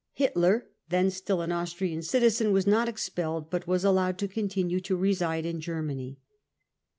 Hitler, then still an Austrian citizen, was not expelled but was allowed to continue to reside in Germany.